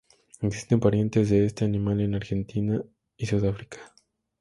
Existen parientes de este animal en Argentina y Sudáfrica.